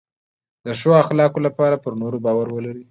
د ښو اخلاقو لپاره پر نورو باور ولرئ.